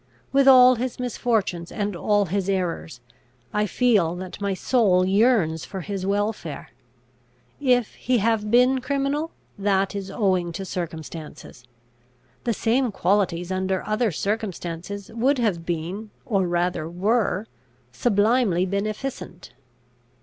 With all his misfortunes and all his errors, I feel that my soul yearns for his welfare. If he have been criminal, that is owing to circumstances; the same qualities under other circumstances would have been, or rather were, sublimely beneficent."